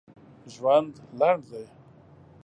ژوند لنډ دی